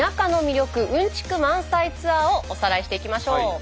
うんちく満載ツアーをおさらいしていきましょう。